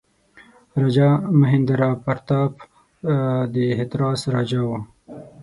راجا مهیندراپراتاپ د هتراس راجا وو.